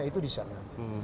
itu di sana